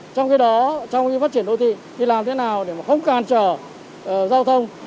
trong khi đó trong phát triển đô thị thì làm thế nào để mà không càn trở giao thông